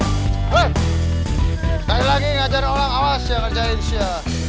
nanti lagi ngajarin orang awas yang kerja indonesia